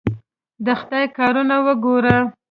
د خدای کارونه وګوره!